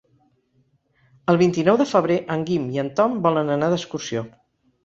El vint-i-nou de febrer en Guim i en Tom volen anar d'excursió.